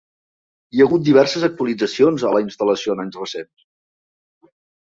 Hi ha hagut diverses actualitzacions a la instal·lació en anys recents.